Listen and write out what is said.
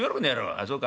「ああそうか？